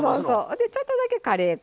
でちょっとだけカレー粉。